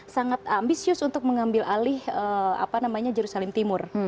sangat ambisius untuk mengambil alih jerusalem timur